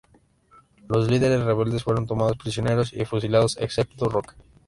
Los líderes rebeldes fueron tomados prisioneros y fusilados, excepto Roca.